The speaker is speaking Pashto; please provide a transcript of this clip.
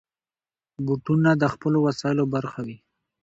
بوټونه د خپلو وسایلو برخه وي.